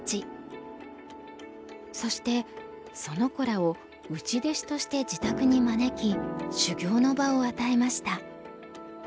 そしてその子らを内弟子として自宅に招き修業の場を与えました。